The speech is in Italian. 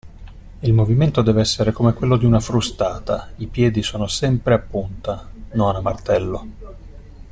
Il movimento deve essere come quello di una frustata. I piedi sono sempre a punta (non a martello).